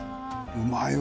うまいわ。